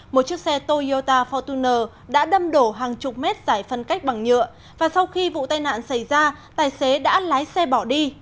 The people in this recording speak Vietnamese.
một chiếc xe toyota fortuner đã đâm đổ hàng chục mét giải phân cách bằng nhựa và sau khi vụ tai nạn xảy ra tài xế đã lái xe bỏ đi